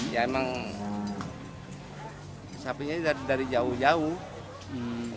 ya emang sapinya dari jauh jauh